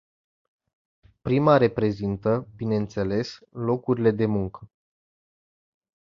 Prima reprezintă, bineînțeles, locurile de muncă.